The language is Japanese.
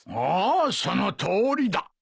あそのとおりだ。